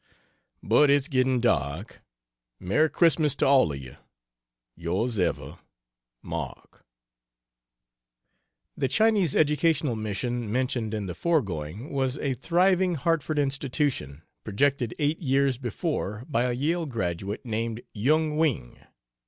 But it's getting dark. Merry Christmas to all of you. Yrs Ever, MARK. The Chinese Educational Mission, mentioned in the foregoing, was a thriving Hartford institution, projected eight years before by a Yale graduate named Yung Wing.